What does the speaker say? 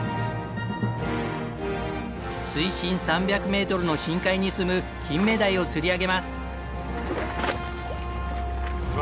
水深３００メートルの深海にすむ金目鯛を釣り上げます。